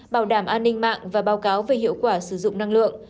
bảo đảm an ninh mạng và báo cáo về hiệu quả sử dụng năng lượng